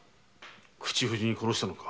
口封じに殺したのか？